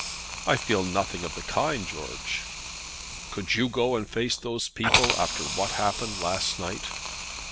"I feel nothing of the kind, George." "Could you go and face those people after what happened last night?"